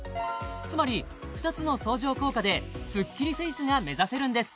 つまり２つの相乗効果でスッキリフェイスが目指せるんです！